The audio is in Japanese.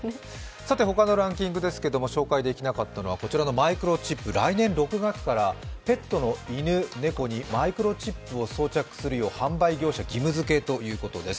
他のランキングですけど、紹介できなかったのはこちらのマイクロチップ、来年６月からペットの犬、猫にマイクロチップを装着するよう販売業者義務づけということです。